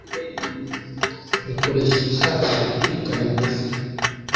rikoresha ibisasu biturikana ingufu